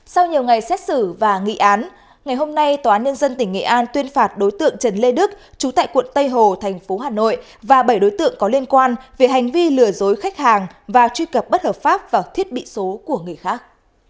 sau nhiều ngày xét xử và nghị án ngày hôm nay tòa án nhân dân tỉnh nghệ an tuyên phạt đối tượng trần lê đức chú tại quận tây hồ thành phố hà nội và bảy đối tượng có liên quan về hành vi lừa dối khách hàng và truy cập bất hợp pháp vào thiết bị số của người khác